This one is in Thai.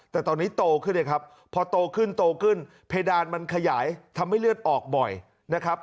แต่ตอนนี้โตขึ้นเลยครับพอโตขึ้นโตขึ้นเพดานมันขยายทำให้เลือดออกบ่อยนะครับ